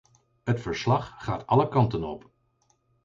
Het verslag gaat alle kanten op.